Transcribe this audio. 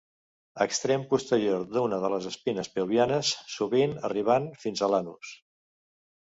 Extrem posterior d'una de les espines pelvianes sovint arribant fins a l'anus.